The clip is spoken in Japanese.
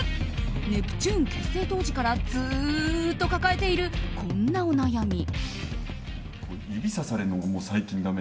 ネプチューン結成当時からずーっと抱えているこんなお悩み。